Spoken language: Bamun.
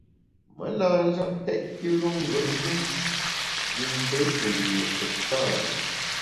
Me na njap tèt kilu ngùet yùm yim mbe te ndi ektari.